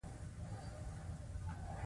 د پیرودونکي قناعت د وفادارۍ راز دی.